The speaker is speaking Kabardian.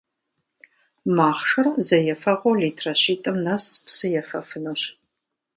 Махъшэр зэ ефэгъуэу литрэ щитIым нэс псы ефэфынущ.